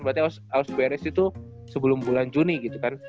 berarti harus beres itu sebelum bulan juni gitu kan